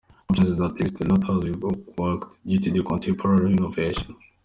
options that existed, a lot has reworked due to contemporary innovation.